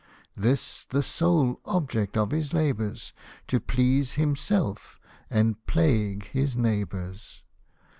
98 This the sole object of his labours, To please himself and plague his neighbours.